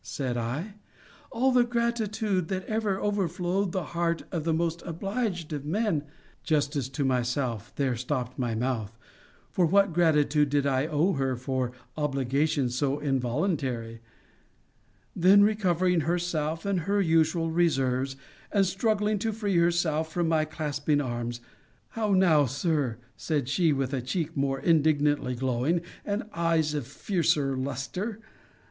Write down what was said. said I: all the gratitude that ever overflowed the heart of the most obliged of men Justice to myself there stopped my mouth: for what gratitude did I owe her for obligations so involuntary? Then recovering herself, and her usual reserves, and struggling to free herself from my clasping arms, How now, Sir! said she, with a cheek more indignantly glowing, and eyes of fiercer lustre.